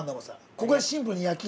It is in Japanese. ここで、シンプルに焼き。